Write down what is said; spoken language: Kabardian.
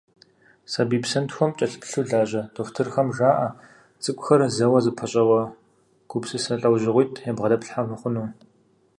Сабий псантхуэм кӏэлъыплъу лажьэ дохутырхэм жаӏэ цӏыкӏухэм зэуэ зэпэщӏэуэ гупсысэ лӏэужьыгъуитӏ ябгъэдэплъхьэ мыхъуну.